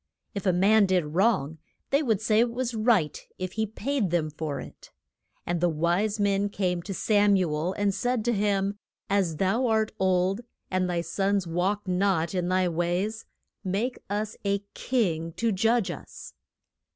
If a man did wrong, they would say it was right if he paid them for it. And the wise men came to Sam u el, and said to him, As thou art old, and thy sons walk not in thy ways, make us a king to judge us.